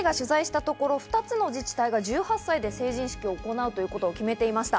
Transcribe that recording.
『スッキリ』が取材したところ、２つの自治体が１８歳で成人式を行うということを決めていました。